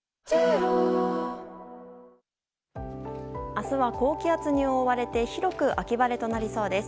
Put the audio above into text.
明日は高気圧に覆われて広く秋晴れとなりそうです。